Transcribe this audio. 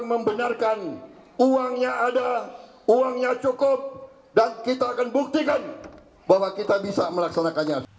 membenarkan uangnya ada uangnya cukup dan kita akan buktikan bahwa kita bisa melaksanakannya